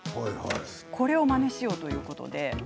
これをまねしようということで。